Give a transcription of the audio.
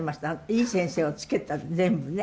いい先生をつけたって全部ね。